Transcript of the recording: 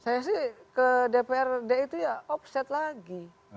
saya sih ke dprd itu ya offset lagi